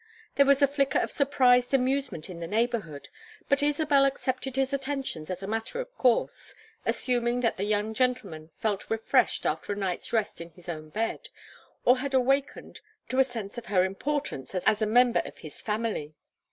There was a flicker of surprised amusement in the neighborhood, but Isabel accepted his attentions as a matter of course, assuming that the young gentleman felt refreshed after a night's rest in his own bed, or had awakened to a sense of her importance as a member of his family.